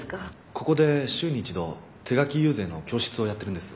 ここで週に一度手描き友禅の教室をやってるんです。